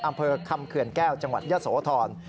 อำเภอคำเขื่อนแก้วจังหวัดยะโสธร